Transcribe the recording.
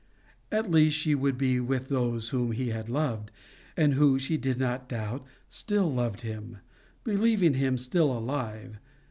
At least she would be with those whom he had loved, and who, she did not doubt, still loved him, believing him still alive.